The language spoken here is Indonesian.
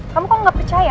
kamu kok gak percaya